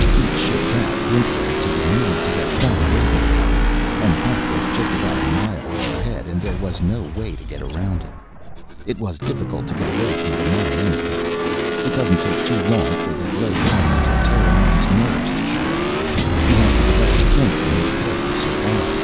He'd shipped out, whimpering, to the Moon to get far away from Pop, and Pop was just about a mile overhead and there was no way to get around him. It was difficult to get away from the mine, anyhow. It doesn't take too long for the low gravity to tear a man's nerves to shreds. He has to develop kinks in his head to survive.